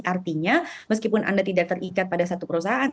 artinya meskipun anda tidak terikat pada satu perusahaan